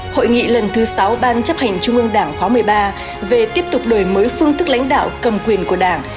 hội nghị lần thứ sáu ban chấp hành trung ương đảng khóa một mươi ba về tiếp tục đổi mới phương thức lãnh đạo cầm quyền của đảng